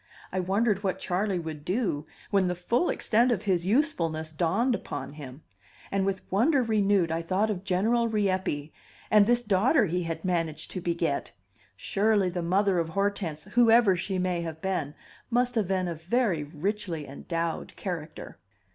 I wondered what Charley would do, when the full extent of his usefulness dawned upon him; and with wonder renewed I thought of General Rieppe, and this daughter he had managed to beget. Surely the mother of Hortense, whoever she may have been, must have been a very richly endowed character!